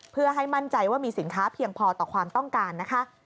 เพื่อให้มั่นใจว่ามีสินค้าเพียงพอต่อความต้องการนะคะ